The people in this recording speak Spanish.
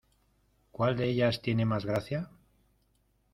¿Cuál de ellas tiene más gracia?